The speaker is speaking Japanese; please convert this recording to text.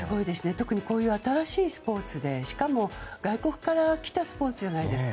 特に新しいスポーツでしかも、外国からきたスポーツじゃないですか。